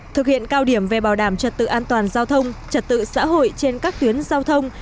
thực hiện cao điểm về bảo đảm trật tự an toàn giao thông trật tự xã hội trên các tuyến giao thông